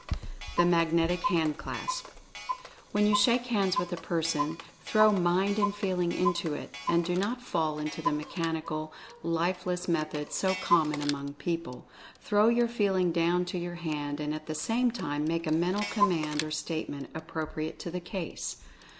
THE MAGNETIC HAND CLASP. When you shake hands with a person throw Mind and Feeling into it, and do not fall into the mechan ical, lifeles method so common among people. Throw your Feeling down to your hand, and at the same time make a mental command or statement appropriate to the case.